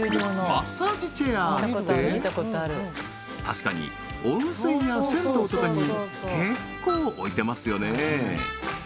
マッサージチェアって確かに温泉や銭湯とかに結構置いてますよね